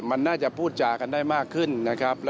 มันน่าจะพูดจากันได้มากขึ้นนะครับ